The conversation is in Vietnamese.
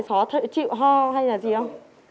hiện tại có chịu ho hay là gì không